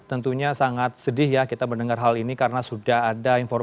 untuk menurut tim sar gabungan